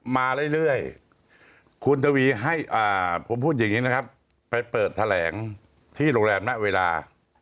มาเรื่อยคุณทวีให้ผมพูดอย่างนี้นะครับไปเปิดแถลงที่โรงแรมณเวลา